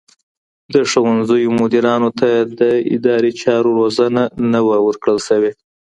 د ښوونځیو مدیرانو ته د اداري چارو روزنه نه وه ورکړل سوي.